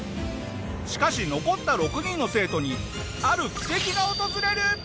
しかし残った６人の生徒にある奇跡が訪れる！